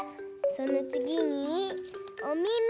そのつぎにおみみ。